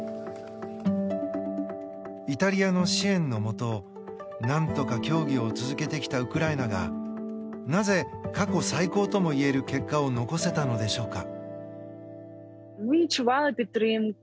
イタリアの支援のもと何とか競技を続けてきたウクライナがなぜ過去最高ともいえる結果を残せたのでしょうか。